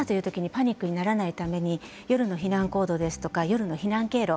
パニックにならないために夜の避難行動や夜の避難経路